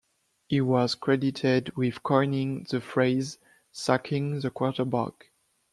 He was credited with coining the phrase "sacking the quarterback".